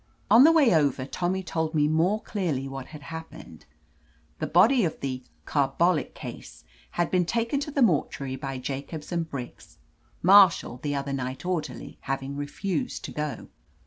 On the way over. Tommy told me more clearly what had happened. The body of the "carbolic case" had been taken to the mortuary by Jacobs and Briggs, Marshall, the other night orderly, having refused to go.